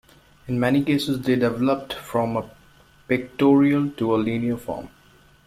In many cases they developed from a pictorial to a linear form.